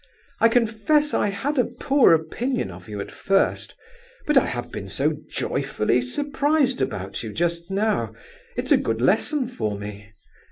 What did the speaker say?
"I confess I had a poor opinion of you at first, but I have been so joyfully surprised about you just now; it's a good lesson for me.